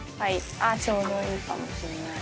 ああちょうどいいかもしれない。